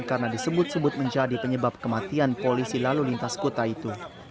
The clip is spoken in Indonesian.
karena disebut sebut menjadi penyebab kematian polisi lalu lintas kuta itu